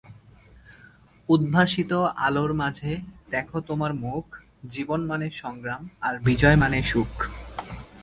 এ সঙ্গীত ধারা বিশেষভাবে কিছু থ্রাশ মেটাল ব্যান্ড দ্বারা অনুপ্রানিত, যেমন স্লেয়ার, কেল্টিক ফ্রস্ট, ক্রিয়েটর।